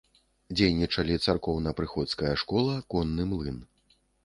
Дзейнічалі царкоўна-прыходская школа, конны млын.